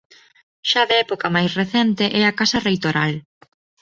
Xa de época máis recente é a casa reitoral.